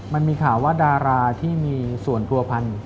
มันมีข่าวว่าดาราที่มีส่วนผัวพัน